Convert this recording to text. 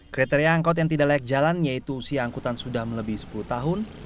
kriteria angkot yang tidak layak jalan yaitu usia angkutan sudah melebih sepuluh tahun